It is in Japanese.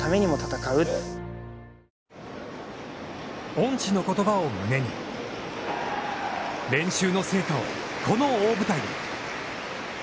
恩師の言葉を胸に練習の成果をこの大舞台で。